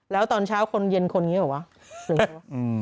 แล้วตอนเช้าคนเย็นคนอย่างนี้หรือเปล่า